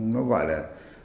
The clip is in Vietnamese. nó gọi là